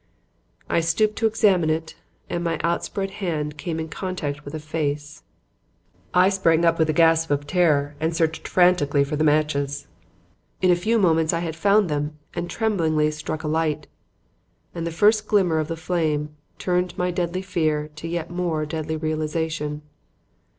I stooped to examine it and my outspread hand came in contact with a face. "I sprang up with a gasp of terror and searched frantically for the matches. In a few moments I had found them and tremblingly struck a light; and the first glimmer of the flame turned my deadly fear into yet more deadly realization.